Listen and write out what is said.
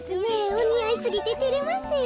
おにあいすぎててれますよ。